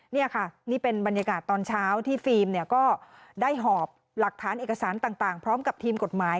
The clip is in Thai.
นี่ค่ะนี่เป็นบรรยากาศตอนเช้าที่ฟิล์มเนี่ยก็ได้หอบหลักฐานเอกสารต่างพร้อมกับทีมกฎหมาย